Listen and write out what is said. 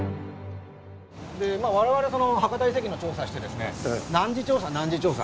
我々博多遺跡の調査してですね何次調査何次調査